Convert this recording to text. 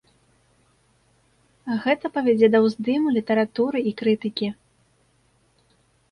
Гэта павядзе да ўздыму літаратуры і крытыкі.